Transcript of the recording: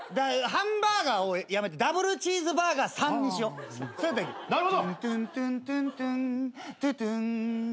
ハンバーガーをやめてダブルチーズバーガー３にしよう。